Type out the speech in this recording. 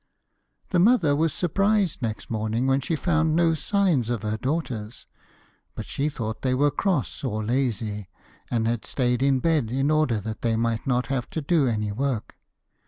The mother was surprised next morning when she found no signs of her daughters, but she thought they were cross or lazy, and had stayed in bed in order that they might not have to do any work.